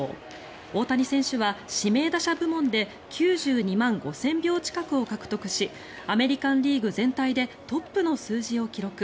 大谷選手は指名打者部門で９２万５０００票近くを獲得しアメリカン・リーグ全体でトップの数字を記録。